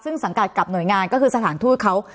ซึ่งสังกัดกับหน่วยงานก็คือสถานทูตเขา